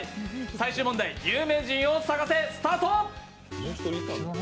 最終問題、「有名人を探せ！」スタート！